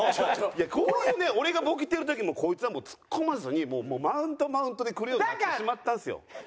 こういうね俺がボケてる時もこいつはもうツッコまずにマウントマウントでくるようになってしまったんですよ。